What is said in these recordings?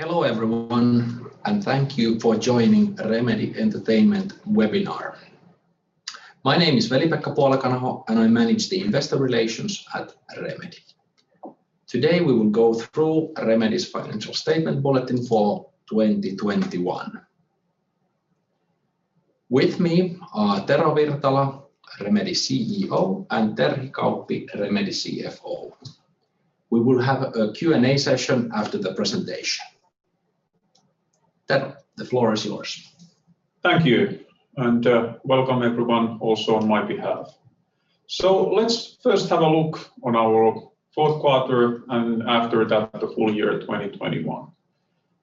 Hello everyone, and thank you for joining Remedy Entertainment webinar. My name is Veli-Pekka Puolakanaho, and I manage the investor relations at Remedy. Today, we will go through Remedy's financial statement bulletin for 2021. With me are Tero Virtala, Remedy CEO, and Terhi Kauppi, Remedy CFO. We will have a Q&A session after the presentation. Terhi, the floor is yours. Thank you, and welcome everyone also on my behalf. Let's first have a look on our Q4, and after that, the full year 2021.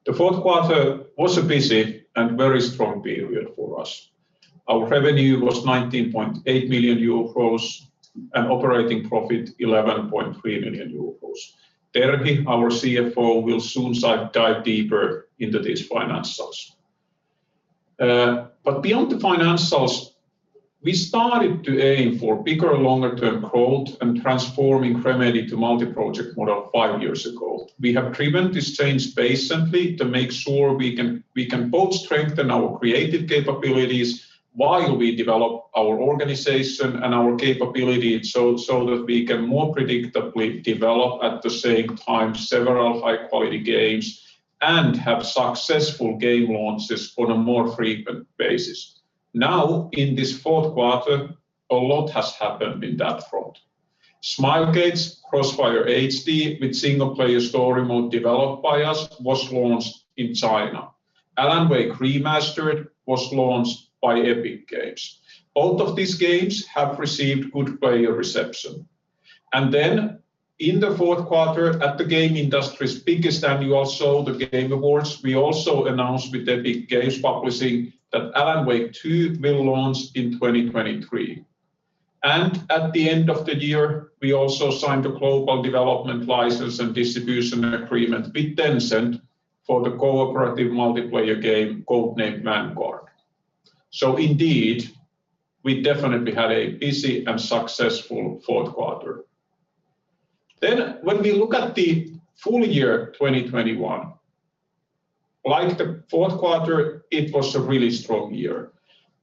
The Q4 was a busy and very strong period for us. Our revenue was 19.8 million euros, and operating profit 11.3 million euros. Terhi, our CFO, will soon dive deeper into these financials. Beyond the financials, we started to aim for bigger, longer-term growth and transforming Remedy to multi-project model five years ago. We have driven this change patiently to make sure we can both strengthen our creative capabilities while we develop our organization and our capability so that we can more predictably develop at the same time several high-quality games, and have successful game launches on a more frequent basis. Now, in this Q4, a lot has happened in that front. Smilegate's CrossFire HD with single player story mode developed by us was launched in China. Alan Wake Remastered was launched by Epic Games. Both of these games have received good player reception. In the Q4, at the game industry's biggest annual show, The Game Awards, we also announced with Epic Games Publishing that Alan Wake 2 will launch in 2023. At the end of the year, we also signed a global development license and distribution agreement with Tencent for the cooperative multiplayer game, Codename Vanguard. Indeed, we definitely had a busy and successful Q4. When we look at the full year 2021, like the Q4, it was a really strong year,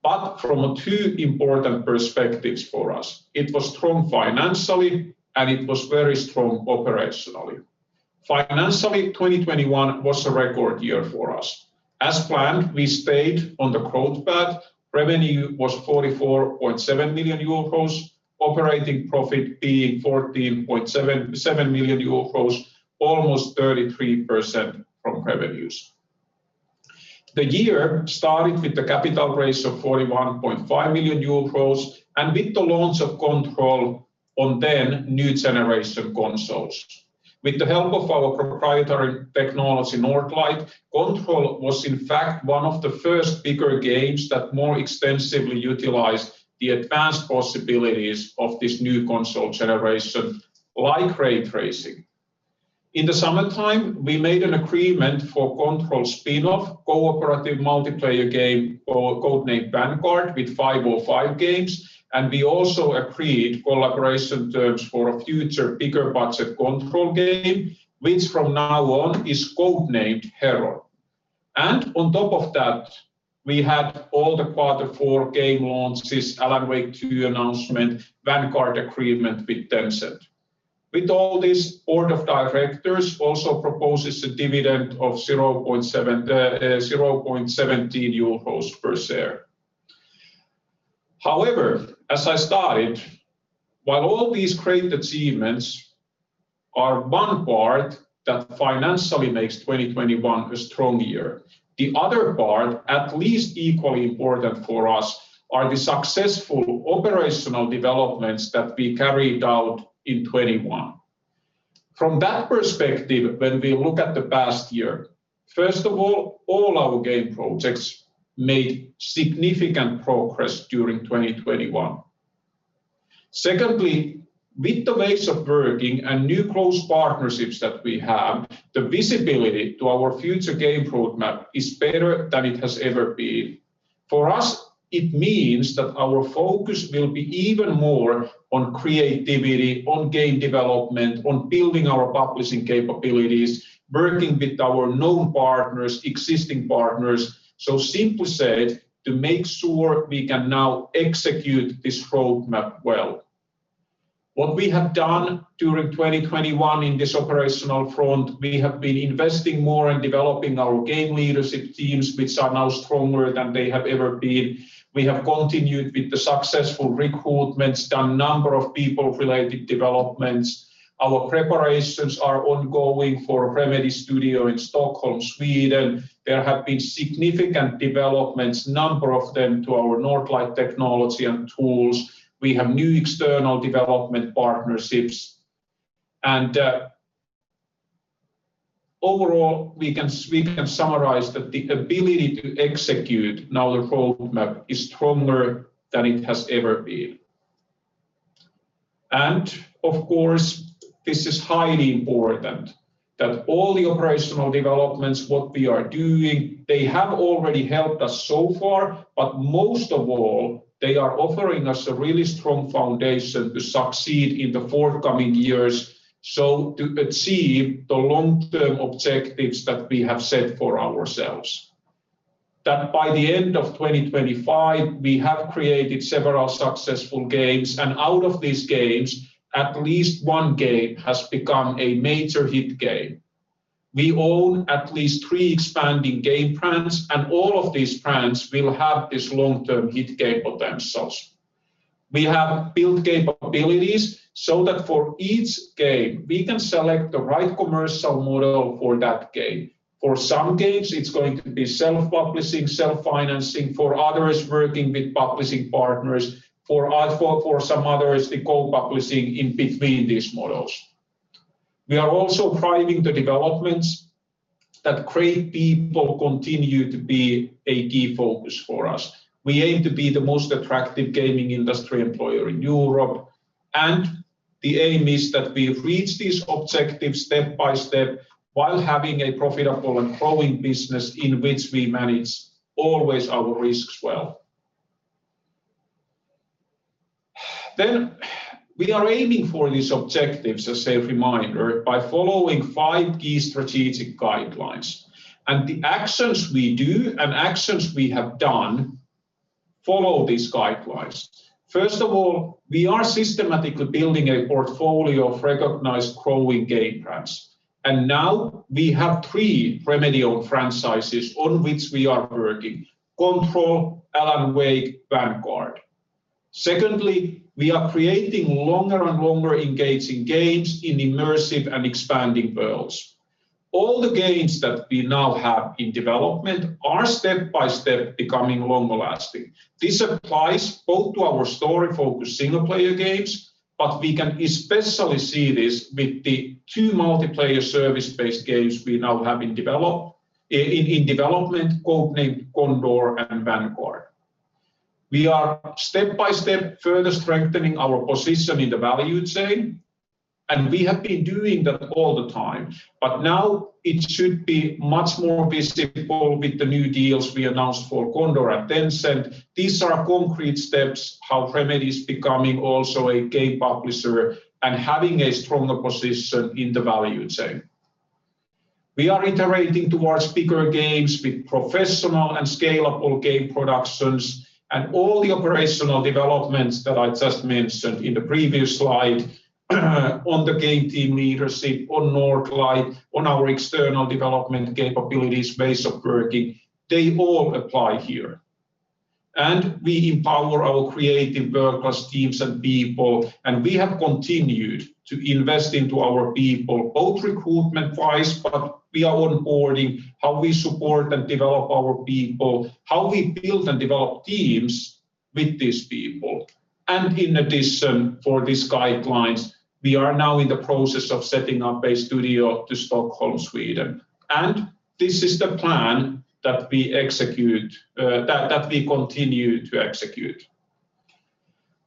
but from two important perspectives for us. It was strong financially, and it was very strong operationally. Financially, 2021 was a record year for us. As planned, we stayed on the growth path. Revenue was 44.7 million euros, operating profit being 14.7 million euros, almost 33% from revenues. The year started with the capital raise of 41.5 million euros, and with the launch of Control on then-New Generation consoles. With the help of our proprietary technology, Northlight, Control was in fact one of the first bigger games that more extensively utilized the advanced possibilities of this new console generation, like ray tracing. In the summertime, we made an agreement for Control spinoff, cooperative multiplayer game, Codename Vanguard, with 505 Games, and we also agreed collaboration terms for a future bigger budget Control game, which from now on is codenamed Heron. On top of that, we had all the Q4 game launches, Alan Wake 2 announcement, Vanguard agreement with Tencent. With all this, Board of Directors also proposes a dividend of 0.17 euros per share. However, as I started, while all these great achievements are one part that financially makes 2021 a strong year, the other part, at least equally important for us, are the successful operational developments that we carried out in 2021. From that perspective, when we look at the past year, first of all our game projects made significant progress during 2021. Secondly, with the ways of working and new close partnerships that we have, the visibility to our future game roadmap is better than it has ever been. For us, it means that our focus will be even more on creativity, on game development, on building our publishing capabilities, working with our known partners, existing partners, so simply said, to make sure we can now execute this roadmap well. What we have done during 2021 in this operational front, we have been investing more in developing our game leadership teams, which are now stronger than they have ever been. We have continued with the successful recruitments, done a number of people-related developments. Our preparations are ongoing for Remedy Studio in Stockholm, Sweden. There have been significant developments, a number of them to our Northlight technology and tools. We have new external development partnerships. Overall, we can summarize that the ability to execute now the roadmap is stronger than it has ever been. Of course, this is highly important, that all the operational developments, what we are doing, they have already helped us so far. Most of all, they are offering us a really strong foundation to succeed in the forthcoming years, so to achieve the long-term objectives that we have set for ourselves. That by the end of 2025, we have created several successful games, and out of these games, at least one game has become a major hit game. We own at least three expanding game brands, and all of these brands will have this long-term hit game of themselves. We have built capabilities so that for each game we can select the right commercial model for that game. For some games, it's going to be self-publishing, self-financing. For others, working with publishing partners. For some others, the co-publishing in between these models. We are also driving the developments that great people continue to be a key focus for us. We aim to be the most attractive gaming industry employer in Europe, and the aim is that we reach these objectives step by step while having a profitable and growing business in which we manage always our risks well. We are aiming for these objectives, as a reminder, by following five key strategic guidelines. The actions we do and actions we have done follow these guidelines. First of all, we are systematically building a portfolio of recognized growing game brands, and now we have three Remedy-owned franchises on which we are working: Control, Alan Wake, Vanguard. Secondly, we are creating longer and longer engaging games in immersive and expanding worlds. All the games that we now have in development are step by step becoming long-lasting. This applies both to our story-focused single-player games, but we can especially see this with the two multiplayer service-based games we now have in development, codenamed Condor and Vanguard. We are step by step further strengthening our position in the value chain, and we have been doing that all the time. Now it should be much more visible with the new deals we announced for Condor at Tencent. These are concrete steps how Remedy is becoming also a game publisher and having a stronger position in the value chain. We are iterating towards bigger games with professional and scalable game productions and all the operational developments that I just mentioned in the previous slide on the game team leadership, on Northlight, on our external development capabilities, ways of working, they all apply here. We empower our creative workers, teams, and people, and we have continued to invest into our people, both recruitment-wise, but via onboarding, how we support and develop our people, how we build and develop teams with these people. In addition to these guidelines, we are now in the process of setting up a studio in Stockholm, Sweden. This is the plan that we execute, that we continue to execute.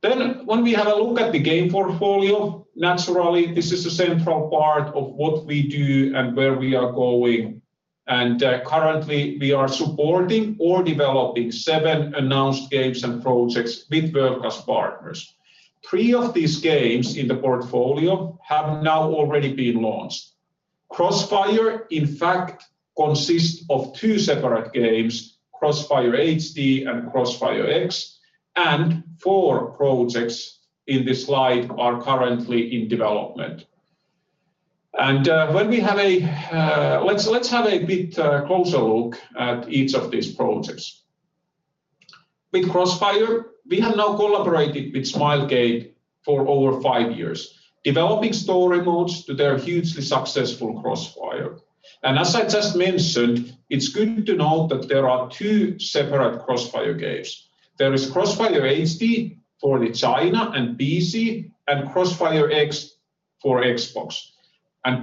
When we have a look at the game portfolio, naturally this is a central part of what we do and where we are going. Currently we are supporting or developing seven announced games and projects with our partners. Three of these games in the portfolio have now already been launched. CrossFire, in fact, consists of two separate games, CrossFire HD and CrossfireX, and four projects in this slide are currently in development. Let's have a bit closer look at each of these projects. With CrossFire, we have now collaborated with Smilegate for over five years, developing story modes to their hugely successful CrossFire. As I just mentioned, it's good to note that there are two separate CrossFire games. There is CrossFire HD for the China and PC and CrossfireX for Xbox.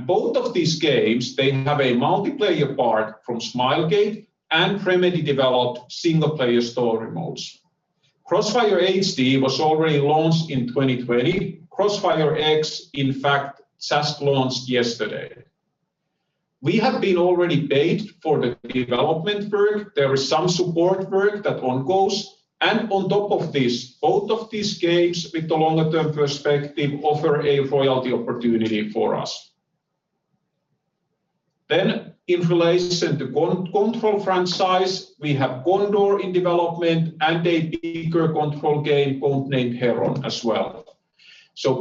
Both of these games, they have a multiplayer part from Smilegate and Remedy-developed single-player story modes. CrossFire HD was already launched in 2020. CrossfireX, in fact, just launched yesterday. We have been already paid for the development work. There is some support work that goes on. On top of this, both of these games with the longer-term perspective offer a royalty opportunity for us. In relation to Control franchise, we have Condor in development and a bigger Control game codenamed Heron as well.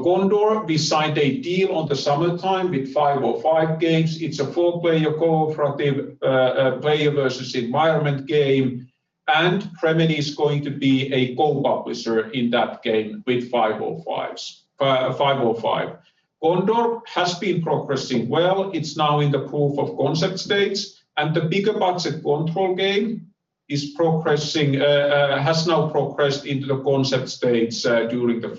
Condor, we signed a deal in the summertime with 505 Games. It's a four-player cooperative player versus environment game, and Remedy is going to be a co-publisher in that game with 505. Condor has been progressing well. It's now in the proof of concept stage, and the bigger budget Control game has now progressed into the concept stage during the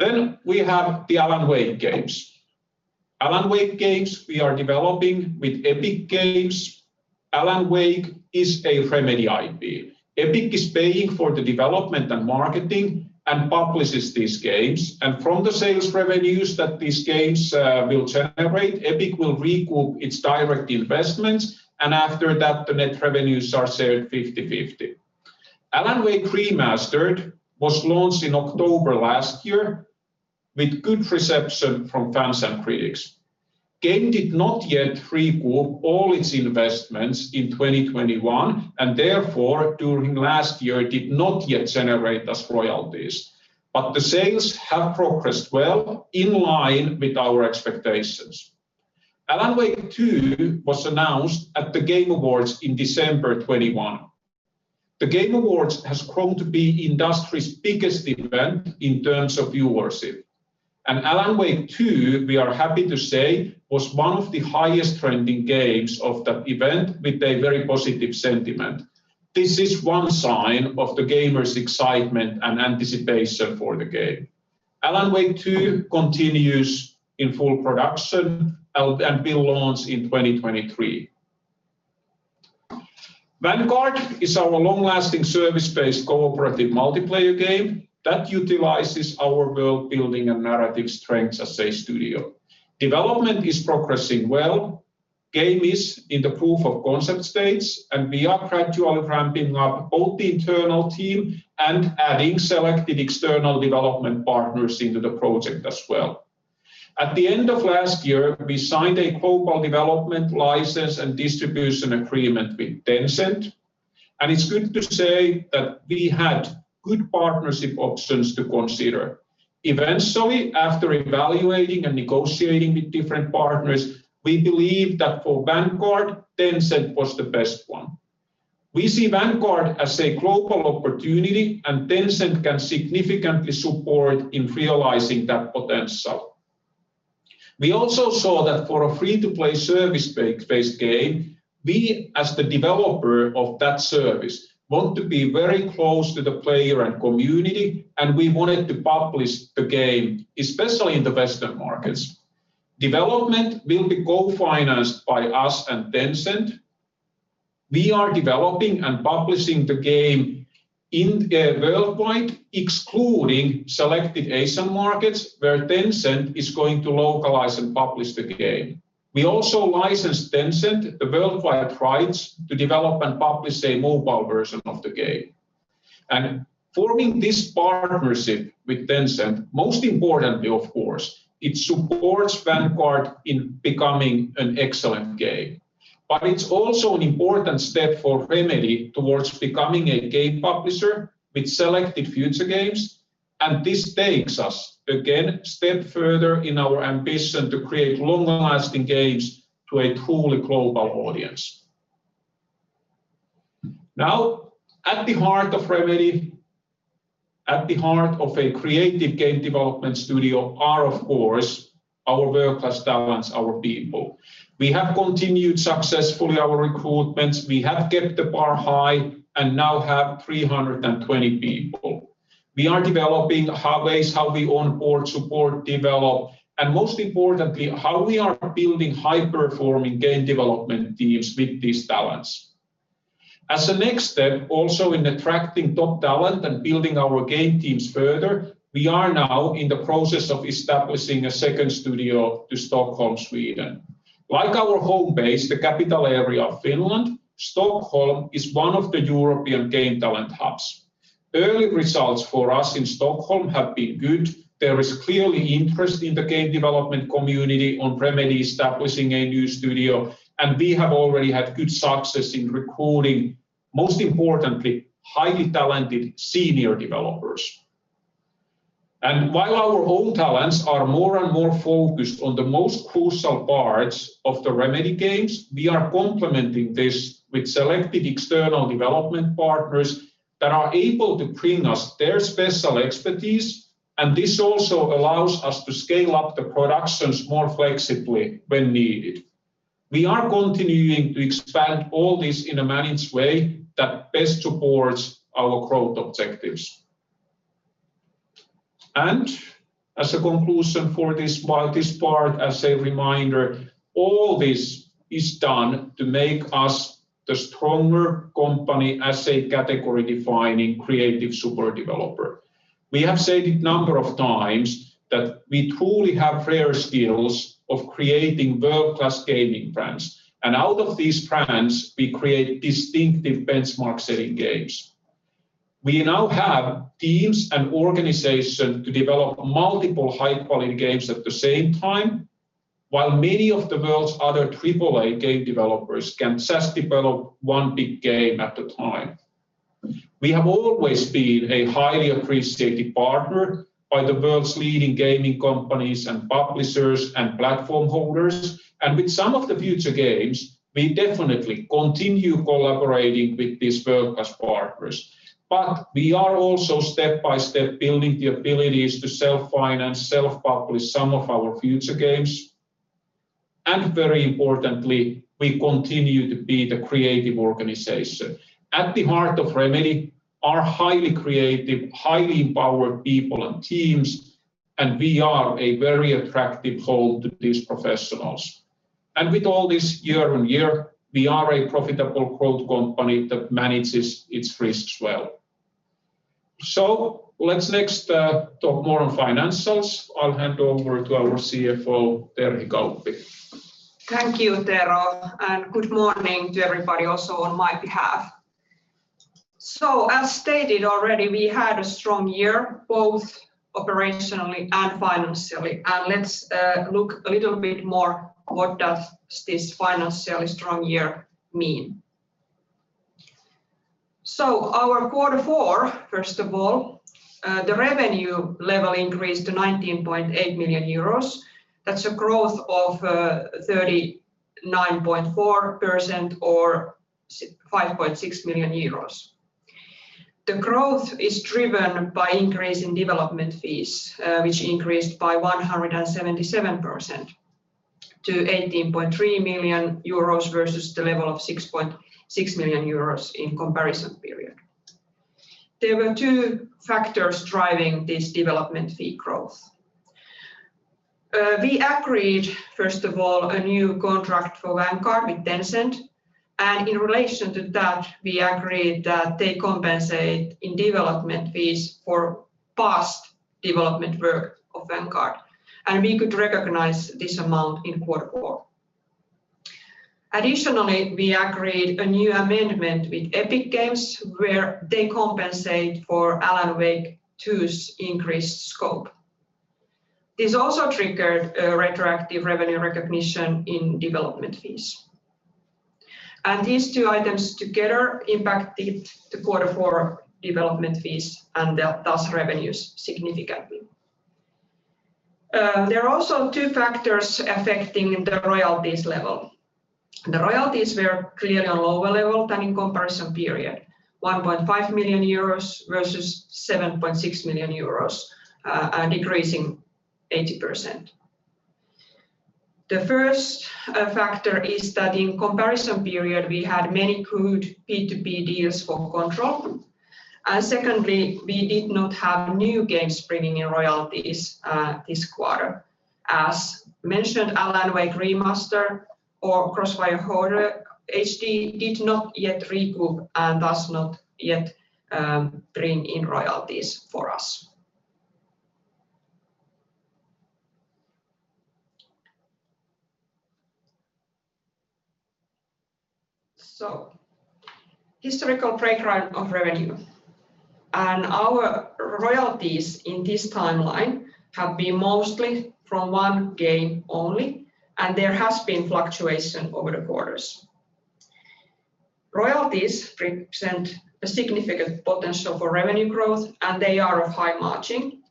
Q4. We have the Alan Wake games. Alan Wake games we are developing with Epic Games. Alan Wake is a Remedy IP. Epic is paying for the development and marketing and publishes these games, and from the sales revenues that these games will generate, Epic will recoup its direct investments, and after that, the net revenues are shared 50/50. Alan Wake Remastered was launched in October last year with good reception from fans and critics. The game did not yet recoup all its investments in 2021, and therefore during last year did not yet generate us royalties. The sales have progressed well in line with our expectations. Alan Wake 2 was announced at The Game Awards in December 2021. The Game Awards has grown to be industry's biggest event in terms of viewership. Alan Wake 2, we are happy to say, was one of the highest trending games of the event with a very positive sentiment. This is one sign of the gamers' excitement and anticipation for the game. Alan Wake 2 continues in full production and will launch in 2023. Vanguard is our long-lasting service-based cooperative multiplayer game that utilizes our world-building and narrative strengths as a studio. Development is progressing well, game is in the proof of concept stage, and we are gradually ramping up both the internal team and adding selected external development partners into the project as well. At the end of last year, we signed a global development license and distribution agreement with Tencent, and it's good to say that we had good partnership options to consider. Eventually, after evaluating and negotiating with different partners, we believe that for Vanguard, Tencent was the best one. We see Vanguard as a global opportunity, and Tencent can significantly support in realizing that potential. We also saw that for a free-to-play service-based game, we as the developer of that service want to be very close to the player and community, and we wanted to publish the game, especially in the Western markets. Development will be co-financed by us and Tencent. We are developing and publishing the game worldwide, excluding selected Asian markets, where Tencent is going to localize and publish the game. We also licensed Tencent the worldwide rights to develop and publish a mobile version of the game. Forming this partnership with Tencent, most importantly, of course, it supports Vanguard in becoming an excellent game. It's also an important step for Remedy towards becoming a game publisher with selected future games, and this takes us again a step further in our ambition to create long-lasting games to a truly global audience. Now, at the heart of Remedy, at the heart of a creative game development studio are, of course, our world-class talents, our people. We have continued successfully our recruitments. We have kept the bar high and now have 320 people. We are developing ways how we onboard, support, develop, and most importantly, how we are building high-performing game development teams with these talents. As a next step, also in attracting top talent and building our game teams further, we are now in the process of establishing a second studio in Stockholm, Sweden. Like our home base, the capital area of Finland, Stockholm is one of the European game talent hubs. Early results for us in Stockholm have been good. There is clearly interest in the game development community on Remedy establishing a new studio, and we have already had good success in recruiting, most importantly, highly talented senior developers. While our own talents are more and more focused on the most crucial parts of the Remedy games, we are complementing this with selected external development partners that are able to bring us their special expertise, and this also allows us to scale up the productions more flexibly when needed. We are continuing to expand all this in a managed way that best supports our growth objectives. As a conclusion for this part, as a reminder, all this is done to make us the stronger company as a category-defining creative super developer. We have said it a number of times that we truly have rare skills of creating world-class gaming brands, and out of these brands, we create distinctive benchmark-setting games. We now have teams and an organization to develop multiple high-quality games at the same time, while many of the world's other AAA game developers can just develop one big game at a time. We have always been a highly appreciated partner by the world's leading gaming companies and publishers and platform holders, and with some of the future games, we definitely continue collaborating with these world-class partners. We are also step by step building the abilities to self-finance, self-publish some of our future games. Very importantly, we continue to be the creative organization. At the heart of Remedy are highly creative, highly empowered people and teams, and we are a very attractive home to these professionals. With all this year-over-year, we are a profitable growth company that manages its risks well. Let's next talk more on financials. I'll hand over to our CFO, Terhi Kauppi. Thank you, Tero, and good morning to everybody also on my behalf. As stated already, we had a strong year both operationally and financially. Let's look a little bit more what does this financially strong year mean. Our Q4, first of all, the revenue level increased to 19.8 million euros. That's a growth of 39.4% or 5.6 million euros. The growth is driven by increase in development fees, which increased by 177% to 18.3 million euros versus the level of 6.6 million euros in comparison period. There were two factors driving this development fee growth. We agreed, first of all, a new contract for Vanguard with Tencent, and in relation to that, we agreed that they compensate in development fees for past development work of Vanguard, and we could recognize this amount in Q4. Additionally, we agreed a new amendment with Epic Games where they compensate for Alan Wake 2's increased scope. This also triggered a retroactive revenue recognition in development fees. These two items together impacted the Q4 development fees and thus revenues significantly. There are also two factors affecting the royalties level. The royalties were clearly on lower level than in comparison period. 1.5 million euros versus 7.6 million euros, decreasing 80%. The first factor is that in comparison period, we had many good P2P deals for Control. Secondly, we did not have new games bringing in royalties this quarter. As mentioned, Alan Wake Remastered or CrossFire HD did not yet generate and does not yet bring in royalties for us. Historical breakdown of revenue and our royalties in this timeline have been mostly from one game only, and there has been fluctuation over the quarters. Royalties represent a significant potential for revenue growth, and they are of high margin,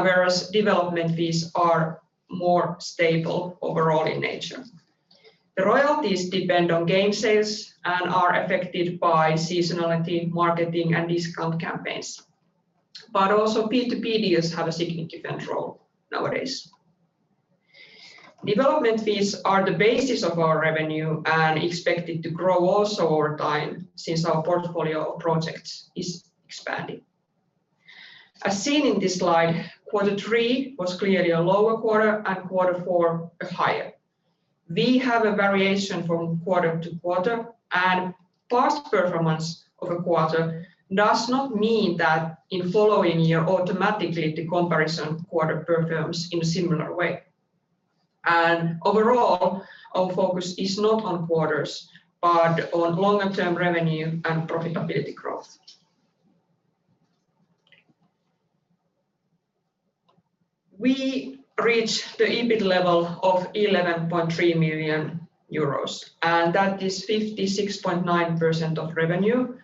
whereas development fees are more stable overall in nature. The royalties depend on game sales and are affected by seasonality, marketing, and discount campaigns, but also P2P deals have a significant role nowadays. Development fees are the basis of our revenue and expected to grow also over time since our portfolio of projects is expanding. As seen in this slide, Q3 was clearly a lower quarter and Q4 higher. We have a variation from quarter to quarter, and past performance of a quarter does not mean that in following year, automatically the comparison quarter performs in a similar way. Overall, our focus is not on quarters, but on longer-term revenue and profitability growth. We reach the EBIT level of 11.3 million euros, and that is 56.9% of revenue,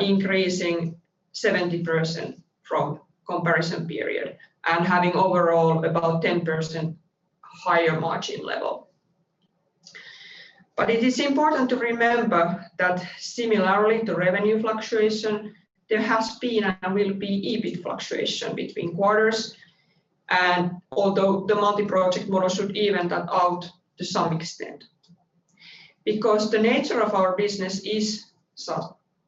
increasing 70% from comparison period and having overall about 10% higher margin level. It is important to remember that similarly to revenue fluctuation, there has been and will be EBIT fluctuation between quarters, and although the multi-project model should even that out to some extent. Because the nature of our business is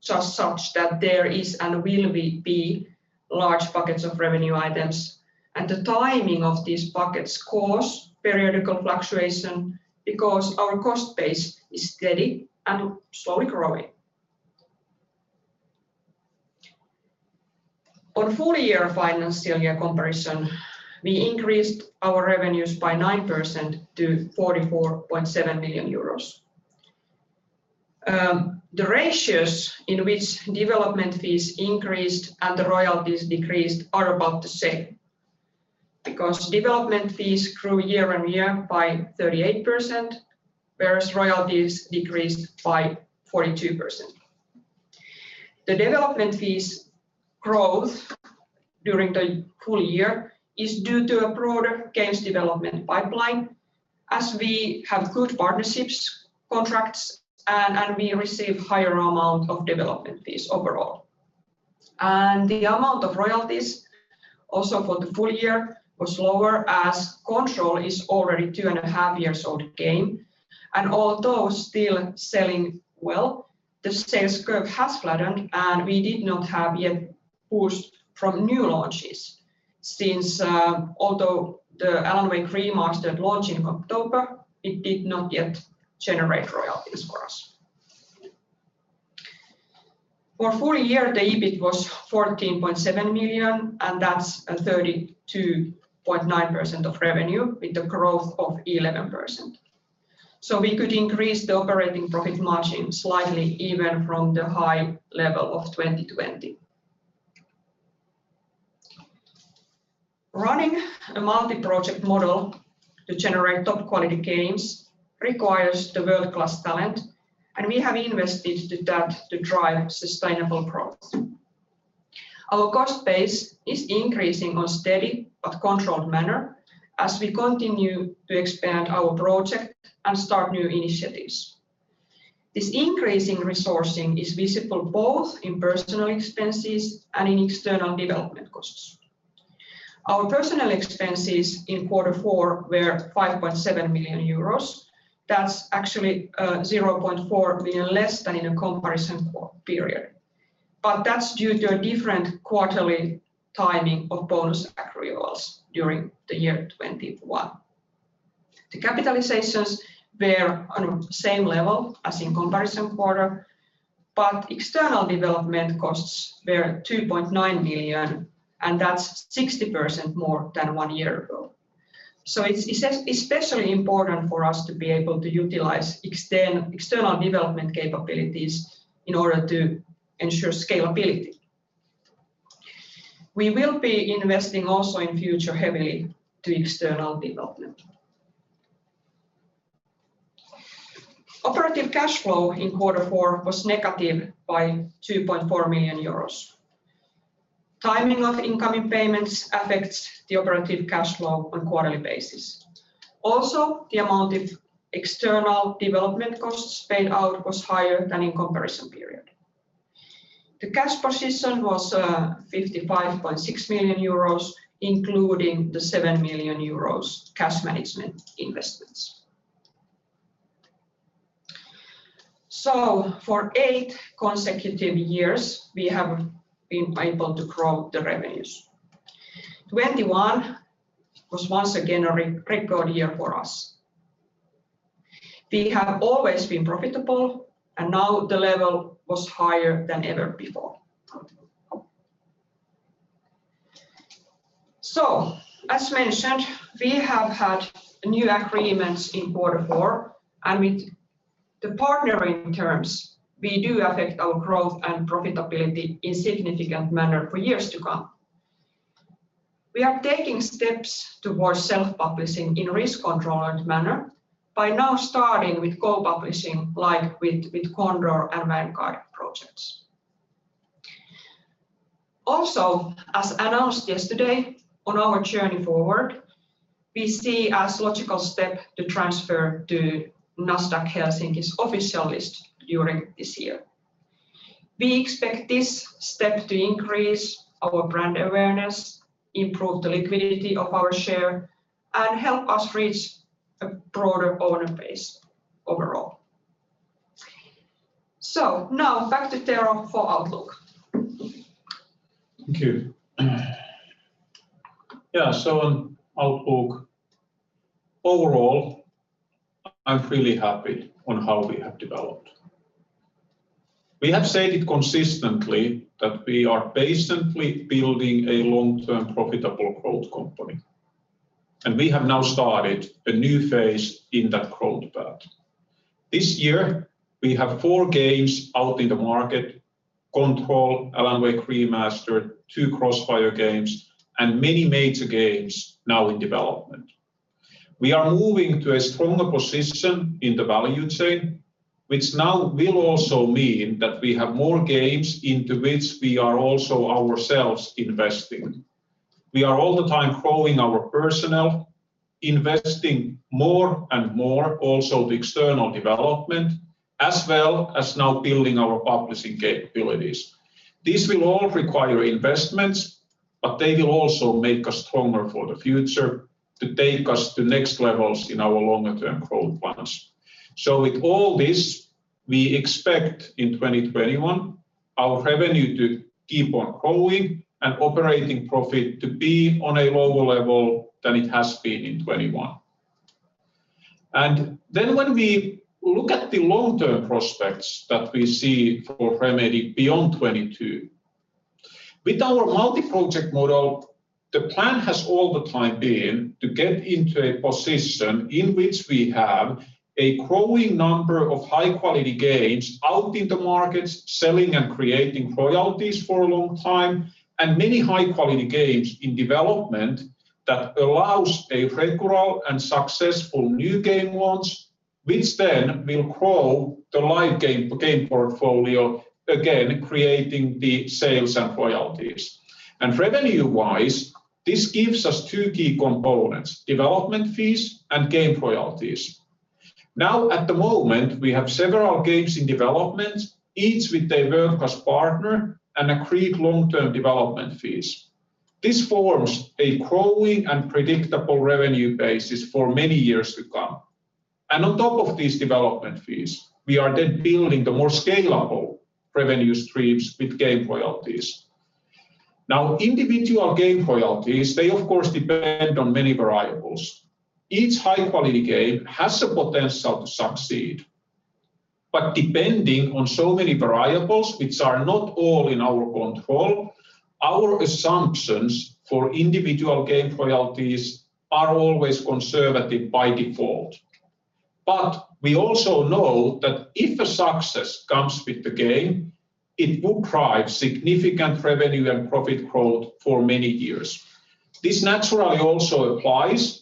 just such that there is and will be large buckets of revenue items, and the timing of these buckets cause periodical fluctuation because our cost base is steady and slowly growing. On full year financial year comparison, we increased our revenues by 9% to 44.7 million euros. The ratios in which development fees increased and the royalties decreased are about the same because development fees grew year on year by 38%, whereas royalties decreased by 42%. The development fees growth during the full year is due to a broader games development pipeline as we have good partnerships, contracts, and we receive higher amount of development fees overall. The amount of royalties also for the full year was lower as Control is already two and a half years old game, and although still selling well, the sales curve has flattened, and we did not have yet boost from new launches since, although the Alan Wake Remastered launch in October, it did not yet generate royalties for us. For full year, the EBIT was 14.7 million, and that's 32.9% of revenue with 11% growth. We could increase the operating profit margin slightly even from the high level of 2020. Running a multi-project model to generate top quality games requires world-class talent, and we have invested to that to drive sustainable growth. Our cost base is increasing on steady but controlled manner as we continue to expand our project and start new initiatives. This increasing resourcing is visible both in personal expenses and in external development costs. Our personal expenses in Q4 were EUR 5.7 million. That's actually 0.4 million less than in a comparison quarter, but that's due to a different quarterly timing of bonus accruals during the year 2021. The capitalizations were on same level as in comparison quarter, but external development costs were 2.9 million, and that's 60% more than one year ago. It's especially important for us to be able to utilize external development capabilities in order to ensure scalability. We will be investing also in future heavily to external development. Operating cash flow in quarter four was negative by 2.4 million euros. Timing of incoming payments affects the operating cash flow on quarterly basis. The amount of external development costs paid out was higher than in comparison period. The cash position was 55.6 million euros, including the 7 million euros cash management investments. For eight consecutive years, we have been able to grow the revenues. 2021 was once again a record year for us. We have always been profitable, and now the level was higher than ever before. As mentioned, we have had new agreements in Q4, and with the partnering terms, we do affect our growth and profitability in significant manner for years to come. We are taking steps towards self-publishing in risk-controlled manner by now starting with co-publishing, like with Control and Vanguard projects. Also, as announced yesterday, on our journey forward, we see as logical step to transfer to Nasdaq Helsinki's official list during this year. We expect this step to increase our brand awareness, improve the liquidity of our share, and help us reach a broader owner base overall. Now back to Tero for outlook. Thank you. Yeah, on outlook, overall, I'm really happy with how we have developed. We have said it consistently that we are patiently building a long-term profitable growth company, and we have now started a new phase in that growth path. This year, we have four games out in the market, Control, Alan Wake Remastered, two CrossFire games, and many major games now in development. We are moving to a stronger position in the value chain, which now will also mean that we have more games into which we are also ourselves investing. We are all the time growing our personnel, investing more and more also in the external development, as well as now building our publishing capabilities. These will all require investments, but they will also make us stronger for the future to take us to next levels in our longer term growth plans. With all this, we expect in 2021 our revenue to keep on growing and operating profit to be on a lower level than it has been in 2021. Then when we look at the long-term prospects that we see for Remedy beyond 2022, with our multi-project model, the plan has all the time been to get into a position in which we have a growing number of high-quality games out in the markets selling and creating royalties for a long time, and many high-quality games in development that allows a regular and successful new game launch, which then will grow the live game portfolio, again creating the sales and royalties. Revenue-wise, this gives us two key components, development fees and game royalties. Now, at the moment, we have several games in development, each with a world-class partner and agreed long-term development fees. This forms a growing and predictable revenue basis for many years to come. On top of these development fees, we are then building the more scalable revenue streams with game royalties. Now, individual game royalties, they of course depend on many variables. Each high-quality game has the potential to succeed. Depending on so many variables which are not all in our control, our assumptions for individual game royalties are always conservative by default. We also know that if a success comes with the game, it will drive significant revenue and profit growth for many years. This naturally also applies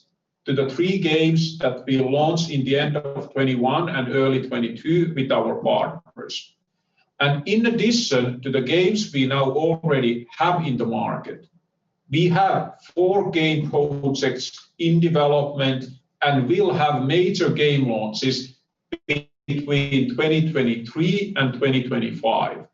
to the three games that we launched in the end of 2021 and early 2022 with our partners. In addition to the games we now already have in the market, we have four game projects in development, and we'll have major game launches between 2023 and 2025.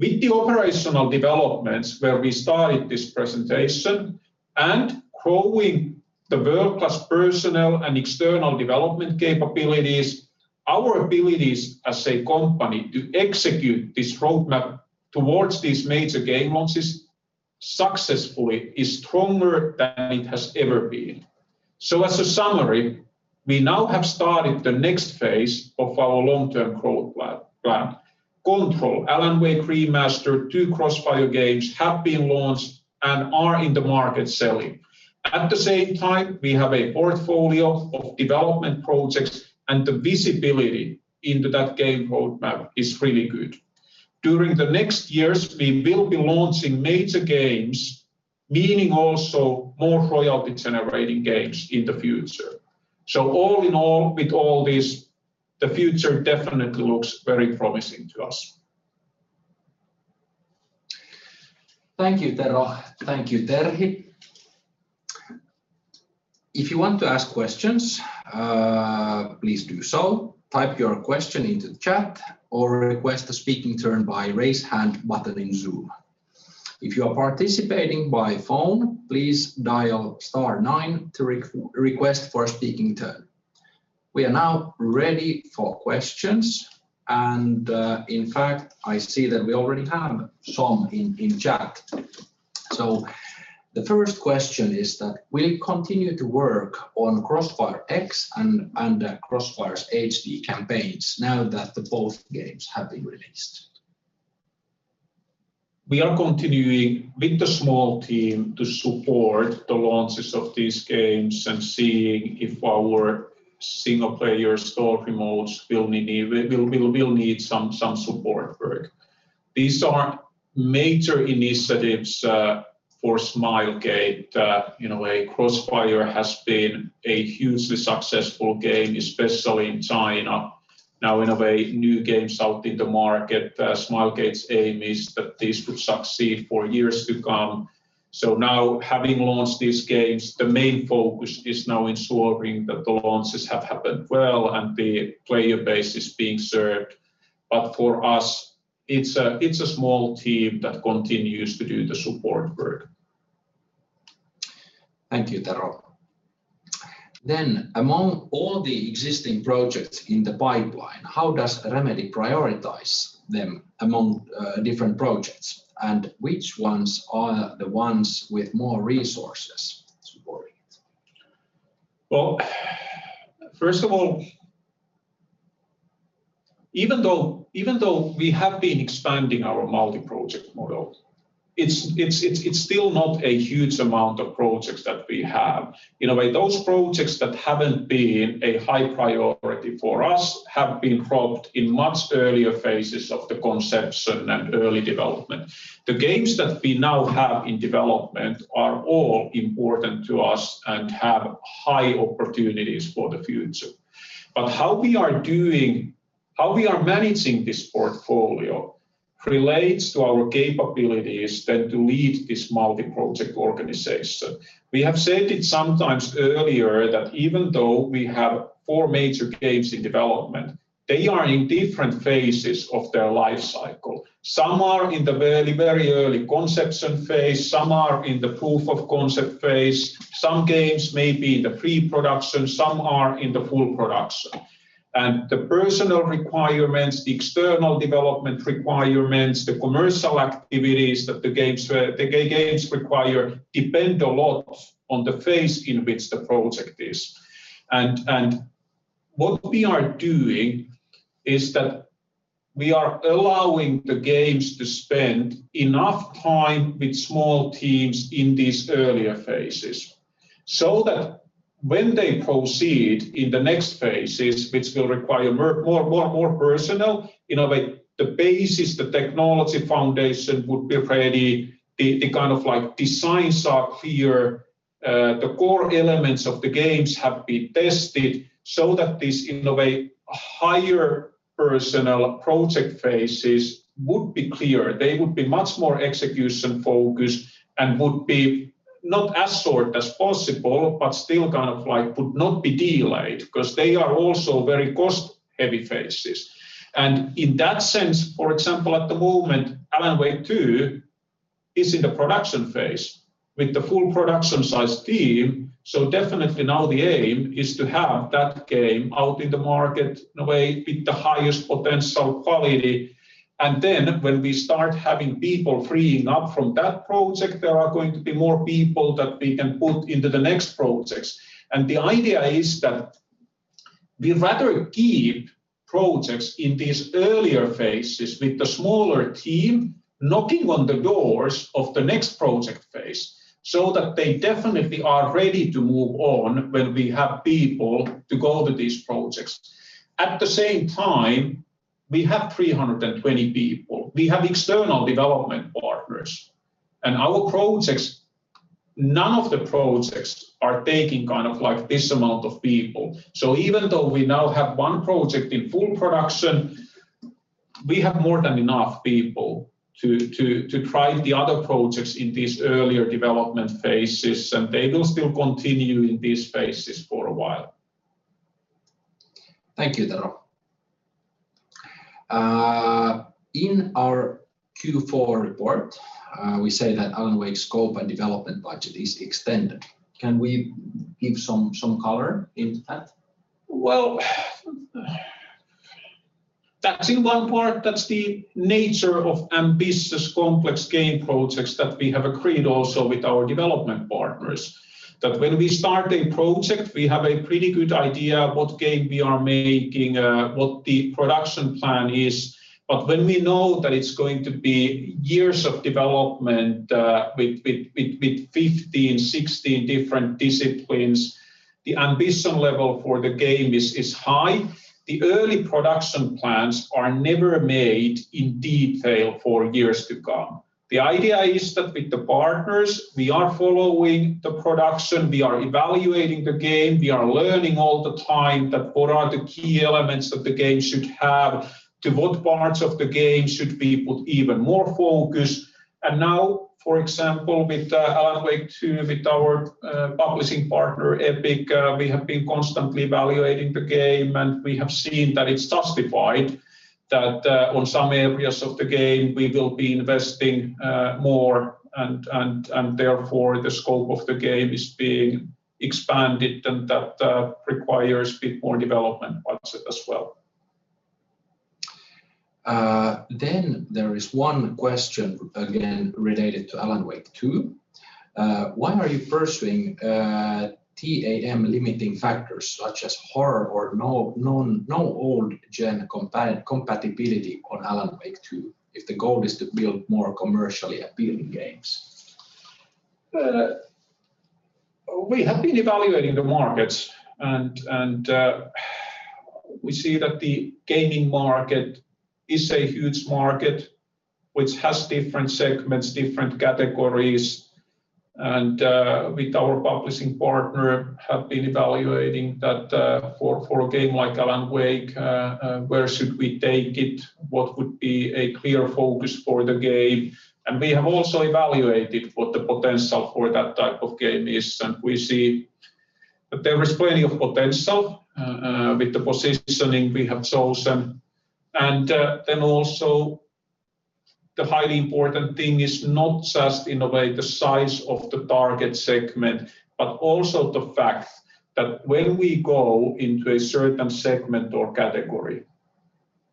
With the operational developments where we started this presentation, and growing the world-class personnel and external development capabilities, our abilities as a company to execute this roadmap towards these major game launches successfully is stronger than it has ever been. As a summary, we now have started the next phase of our long-term growth plan. Control, Alan Wake Remastered, two CrossFire games have been launched and are in the market selling. At the same time, we have a portfolio of development projects, and the visibility into that game roadmap is really good. During the next years, we will be launching major games, meaning also more royalty-generating games in the future. All in all, with all this, the future definitely looks very promising to us. Thank you, Tero. Thank you, Terhi. If you want to ask questions, please do so. Type your question into the chat or request a speaking turn by raise hand button in Zoom. If you are participating by phone, please dial star nine to request for a speaking turn. We are now ready for questions, and, in fact, I see that we already have some in chat. The first question is that will you continue to work on CrossfireX and CrossFire HD campaigns now that the both games have been released? We are continuing with the small team to support the launches of these games and seeing if our single-player story modes will need some support work. These are major initiatives for Smilegate. Crossfire has been a hugely successful game, especially in China. Now, in a way, new games out in the market, Smilegate's aim is that these would succeed for years to come. Now, having launched these games, the main focus is ensuring that the launches have happened well and the player base is being served. For us, it's a small team that continues to do the support work. Thank you, Tero. Among all the existing projects in the pipeline, how does Remedy prioritize them among different projects? And which ones are the ones with more resources supporting it? Well, first of all, even though we have been expanding our multi-project model, it's still not a huge amount of projects that we have. In a way, those projects that haven't been a high priority for us have been dropped in much earlier phases of the conception and early development. The games that we now have in development are all important to us and have high opportunities for the future. How we are managing this portfolio relates to our capabilities then to lead this multi-project organization. We have said it sometimes earlier that even though we have four major games in development, they are in different phases of their life cycle. Some are in the very, very early conception phase. Some are in the proof of concept phase. Some games may be in the pre-production. Some are in the full production. The personnel requirements, the external development requirements, the commercial activities that the games require depend a lot on the phase in which the project is. What we are doing is that we are allowing the games to spend enough time with small teams in these earlier phases so that when they proceed in the next phases, which will require more personnel, in a way the basis, the technology foundation would be ready. The kind of like design side clear, the core elements of the games have been tested so that this in the way higher personnel project phases would be clear. They would be much more execution-focused and would be not as short as possible, but still kind of like would not be delayed because they are also very cost-heavy phases. In that sense, for example, at the moment, Alan Wake 2 is in the production phase with the full production size team. Definitely now the aim is to have that game out in the market in a way with the highest potential quality. Then when we start having people freeing up from that project, there are going to be more people that we can put into the next projects. The idea is that we rather keep projects in these earlier phases with the smaller team knocking on the doors of the next project phase so that they definitely are ready to move on when we have people to go to these projects. At the same time, we have 320 people. We have external development partners, and our projects, none of the projects are taking kind of like this amount of people. Even though we now have one project in full production, we have more than enough people to drive the other projects in these earlier development phases, and they will still continue in these phases for a while. Thank you, Tero. In our Q4 report, we say that Alan Wake's scope and development budget is extended. Can we give some color into that? Well, that's in one part, that's the nature of ambitious, complex game projects that we have agreed also with our development partners that when we start a project, we have a pretty good idea what game we are making, what the production plan is. When we know that it's going to be years of development, with 15, 16 different disciplines, the ambition level for the game is high. The early production plans are never made in detail for years to come. The idea is that with the partners, we are following the production, we are evaluating the game, we are learning all the time that what are the key elements that the game should have, to what parts of the game should we put even more focus. Now, for example, with Alan Wake 2, with our publishing partner, Epic, we have been constantly evaluating the game, and we have seen that it's justified that on some areas of the game we will be investing more and therefore the scope of the game is being expanded, and that requires bit more development budget as well. There is one question again related to Alan Wake 2. Why are you pursuing TAM-limiting factors such as horror or non-old-gen compatibility on Alan Wake 2 if the goal is to build more commercially appealing games? We have been evaluating the markets, and we see that the gaming market is a huge market which has different segments, different categories. With our publishing partner, we have been evaluating that, for a game like Alan Wake, where should we take it? What would be a clear focus for the game? We have also evaluated what the potential for that type of game is, and we see that there is plenty of potential with the positioning we have chosen. Also the highly important thing is not just in a way the size of the target segment, but also the fact that when we go into a certain segment or category,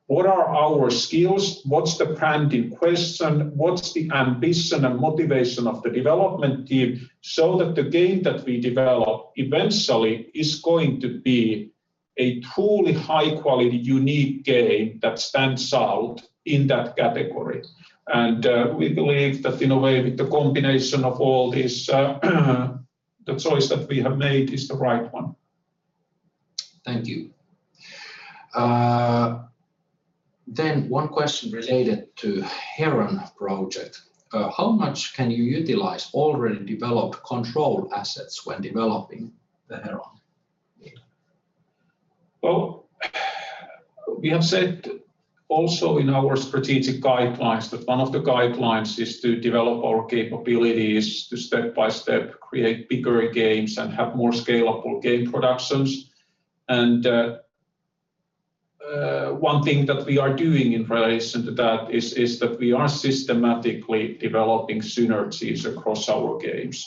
what are our skills? What's the brand in question? What's the ambition and motivation of the development team so that the game that we develop eventually is going to be a truly high-quality, unique game that stands out in that category. We believe that in a way, with the combination of all this, the choice that we have made is the right one. Thank you. One question related to Codename Heron. How much can you utilize already developed Control assets when developing the Heron game? Well, we have said also in our strategic guidelines that one of the guidelines is to develop our capabilities to step-by-step create bigger games and have more scalable game productions. One thing that we are doing in relation to that is that we are systematically developing synergies across our games,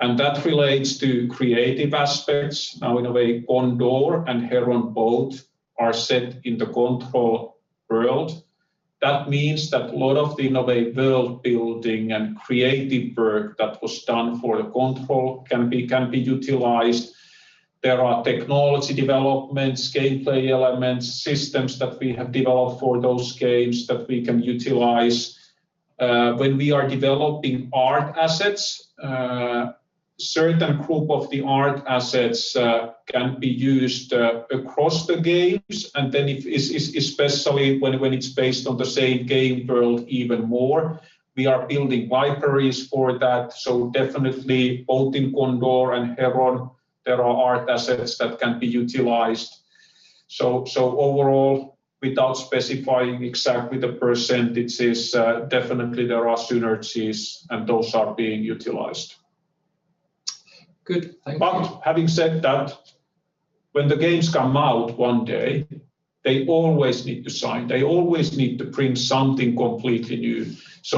and that relates to creative aspects. Now, in a way, Condor and Heron both are set in the Control world. That means that a lot of the, in a way, world-building and creative work that was done for Control can be utilized. There are technology developments, gameplay elements, systems that we have developed for those games that we can utilize. When we are developing art assets, certain group of the art assets can be used across the games, and then if especially when it's based on the same game world even more. We are building libraries for that, so definitely both in Condor and Heron, there are art assets that can be utilized. Overall, without specifying exactly the percentages, definitely there are synergies, and those are being utilized. Good. Thank you. having said that, when the games come out one day, they always need to shine. They always need to bring something completely new.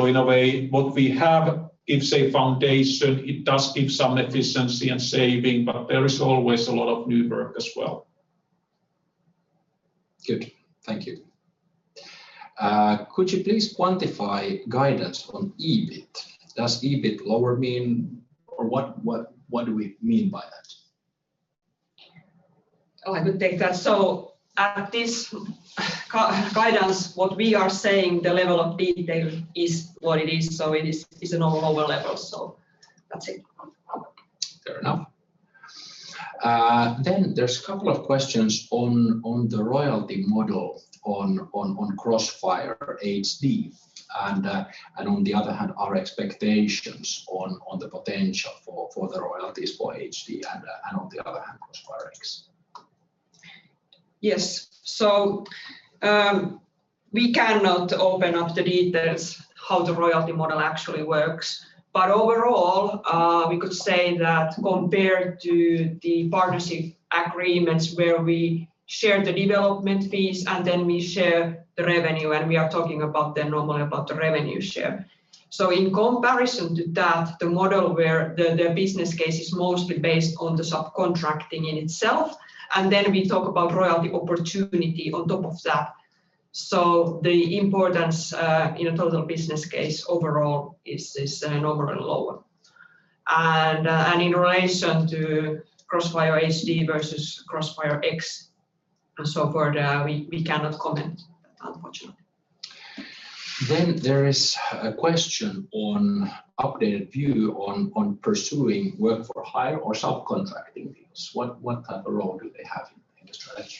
in a way, what we have gives a foundation. It does give some efficiency and saving, but there is always a lot of new work as well. Good. Thank you. Could you please quantify guidance on EBIT? Does EBIT lower mean or what do we mean by that? Oh, I could take that. At this guidance, what we are saying, the level of detail is what it is. It is, it's an overall level. That's it. Fair enough. There's a couple of questions on the royalty model on CrossFire HD and on the other hand, our expectations on the potential for the royalties for HD and on the other hand, CrossFire X. Yes. We cannot open up the details how the royalty model actually works. Overall, we could say that compared to the partnership agreements where we share the development fees, and then we share the revenue, and we are talking about then normally about the revenue share. In comparison to that, the model where the business case is mostly based on the subcontracting in itself, and then we talk about royalty opportunity on top of that. The importance in a total business case overall is an overall lower. In relation to CrossFire HD versus CrossFire X and so forth, we cannot comment unfortunately. There is a question on updated view on pursuing work for hire or subcontracting deals. What type of role do they have in the strategy?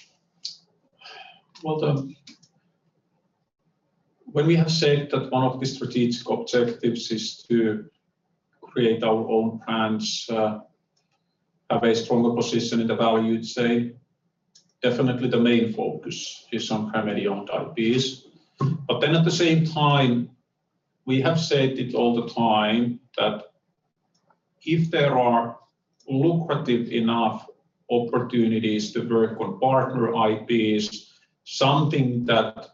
Well, when we have said that one of the strategic objectives is to create our own brands, have a stronger position in the value chain, definitely the main focus is on Remedy-owned IPs. At the same time, we have said it all the time that if there are lucrative enough opportunities to work on partner IPs, something that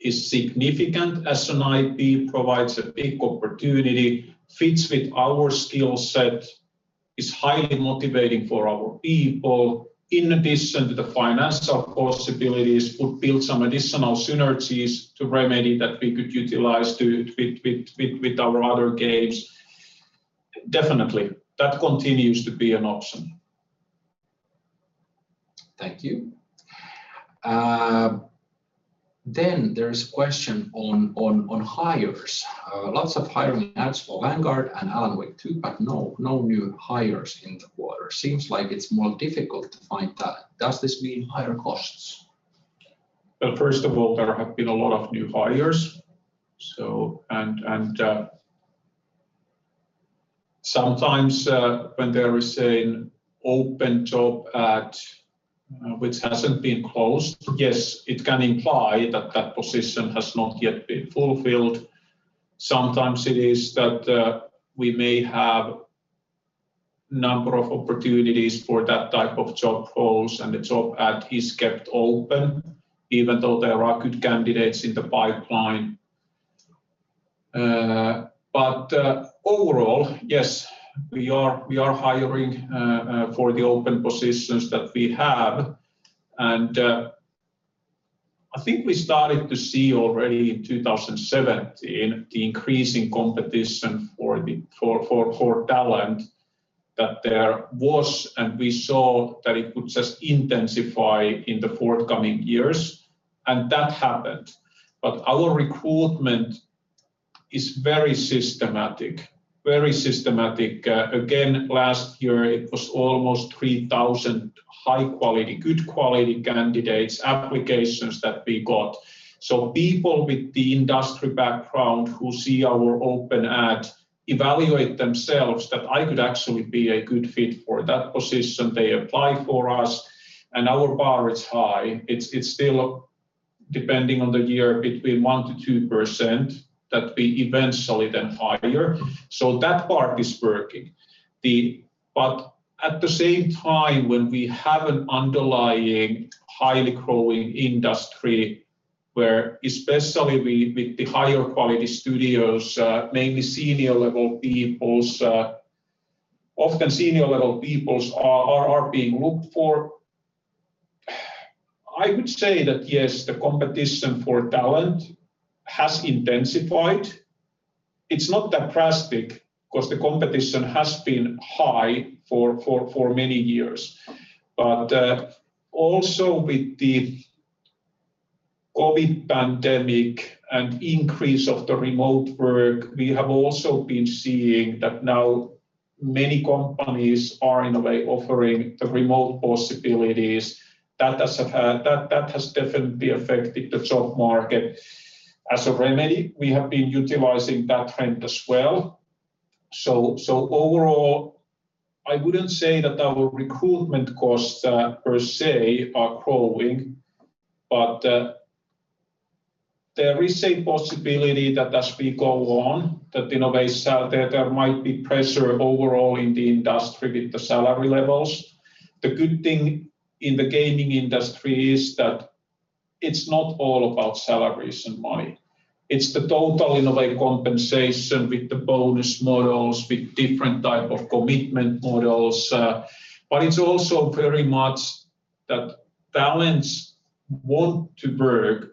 is significant as an IP, provides a big opportunity, fits with our skill set, is highly motivating for our people, in addition to the financial possibilities, would build some additional synergies to Remedy that we could utilize with our other games. Definitely, that continues to be an option. Thank you. There is a question on hires. Lots of hiring ads for Vanguard and Alan Wake 2, but no new hires in the quarter. Seems like it's more difficult to find that. Does this mean higher costs? Well, first of all, there have been a lot of new hires. Sometimes, when there is an open job at which hasn't been closed, yes, it can imply that position has not yet been fulfilled. Sometimes it is that we may have number of opportunities for that type of job roles, and the job ad is kept open even though there are good candidates in the pipeline. But overall, yes, we are hiring for the open positions that we have. I think we started to see already in 2017 the increasing competition for the talent that there was, and we saw that it would just intensify in the forthcoming years, and that happened. Our recruitment is very systematic. Very systematic. Again, last year it was almost 3,000 high-quality, good quality candidates applications that we got. People with the industry background who see our open ad evaluate themselves that I could actually be a good fit for that position. They apply for us, and our bar is high. It's still, depending on the year, between 1%-2% that we eventually then hire. That part is working. At the same time, when we have an underlying highly growing industry where especially with the higher quality studios, mainly senior level people, often senior level people are being looked for, I would say that yes, the competition for talent has intensified. It's not that drastic 'cause the competition has been high for many years. also with the COVID pandemic and increase of the remote work, we have also been seeing that now many companies are in a way offering the remote possibilities. That has definitely affected the job market. As for Remedy, we have been utilizing that trend as well. Overall, I wouldn't say that our recruitment costs per se are growing, but there is a possibility that as we go on, that in a way, there might be pressure overall in the industry with the salary levels. The good thing in the gaming industry is that it's not all about salaries and money. It's the total in a way compensation with the bonus models, with different type of commitment models, but it's also very much that talents want to work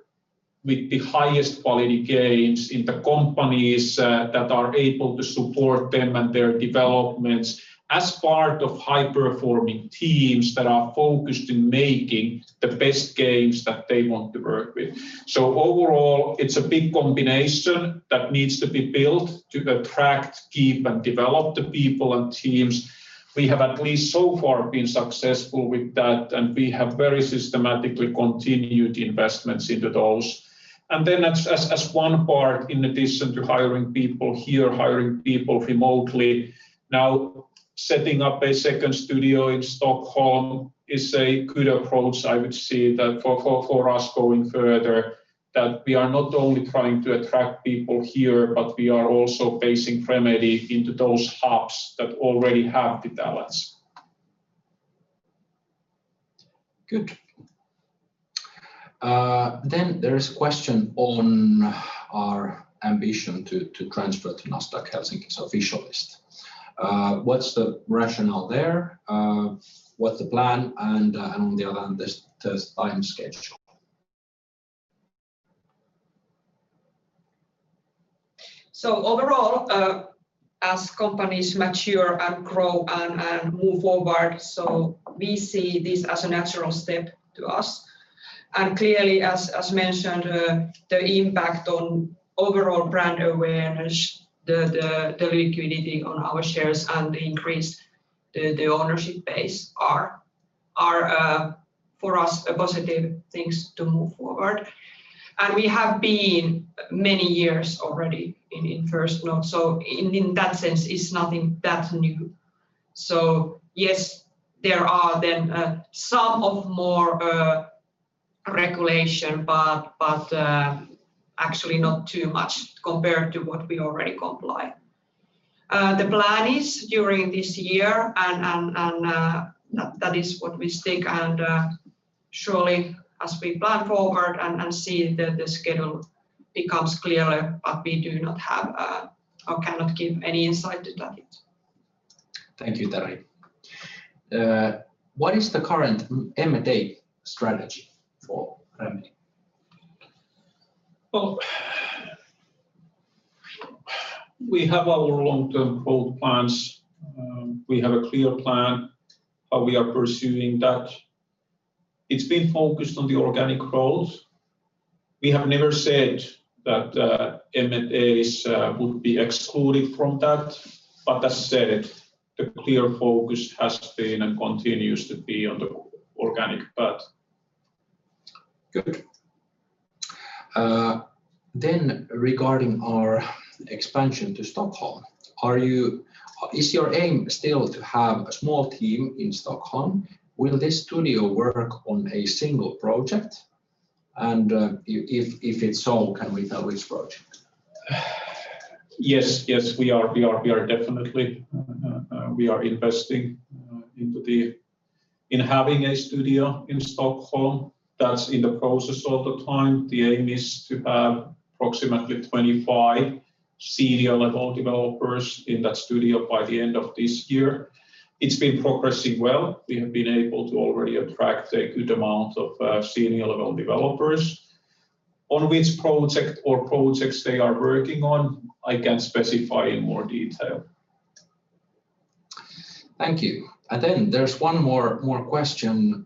with the highest quality games in the companies, that are able to support them and their developments as part of high-performing teams that are focused in making the best games that they want to work with. Overall, it's a big combination that needs to be built to attract, keep, and develop the people and teams. We have at least so far been successful with that, and we have very systematically continued investments into those. As one part, in addition to hiring people here, hiring people remotely, now setting up a second studio in Stockholm is a good approach. I would say that for us going further, that we are not only trying to attract people here, but we are also basing Remedy into those hubs that already have the talents. Good. There is a question on our ambition to transfer to Nasdaq Helsinki's official list. What's the rationale there? What's the plan? On the other hand, there's a timeline. Overall, as companies mature and grow and move forward, we see this as a natural step for us. Clearly, as mentioned, the impact on overall brand awareness, the liquidity on our shares and the increase in the ownership base are for us positive things to move forward. We have been many years already in First North. In that sense, it's nothing that new. Yes, there are then some more regulation, but actually not too much compared to what we already comply. The plan is during this year and that is what we stick. Surely as we plan forward and see, the schedule becomes clearer, but we do not have or cannot give any insight to that yet. Thank you, Tari. What is the current M&A strategy for Remedy? Well, we have our long-term goal plans. We have a clear plan how we are pursuing that. It's been focused on the organic growth. We have never said that, M&As would be excluded from that. As I said it, the clear focus has been and continues to be on the organic path. Good. Regarding our expansion to Stockholm, is your aim still to have a small team in Stockholm? Will this studio work on a single project? If it's so, can we know which project? Yes, we are definitely. We are investing in having a studio in Stockholm. That's in the process all the time. The aim is to have approximately 25 senior-level developers in that studio by the end of this year. It's been progressing well. We have been able to already attract a good amount of senior-level developers. On which project or projects they are working on, I can't specify in more detail. Thank you. There's one more question.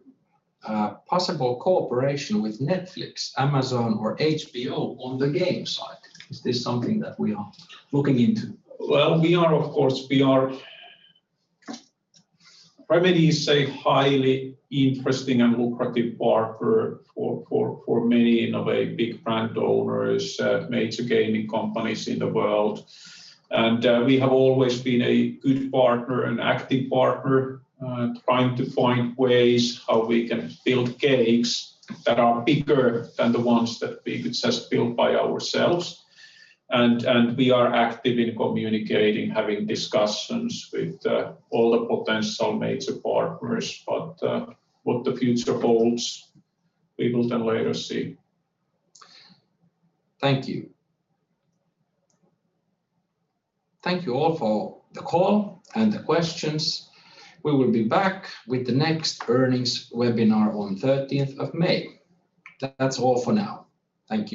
Possible cooperation with Netflix, Amazon, or HBO on the game side. Is this something that we are looking into? Well, Remedy is a highly interesting and lucrative partner for many, in a way, big brand owners, major gaming companies in the world. We have always been a good partner, an active partner, trying to find ways how we can build games that are bigger than the ones that we could just build by ourselves. We are active in communicating, having discussions with all the potential major partners. What the future holds, we will then later see. Thank you. Thank you all for the call and the questions. We will be back with the next earnings webinar on thirteenth of May. That's all for now. Thank you.